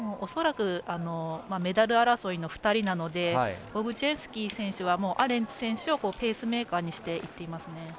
恐らくメダル争いの２人なのでボブチンスキー選手はアレンツ選手をペースメーカーにしていっていますね。